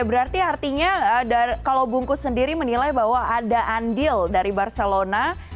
berarti artinya kalau bungkus sendiri menilai bahwa ada andil dari barcelona